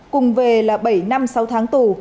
cùng về là bảy năm sáu tháng tù